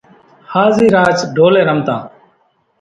هازِي راچ ڍولين رمتان۔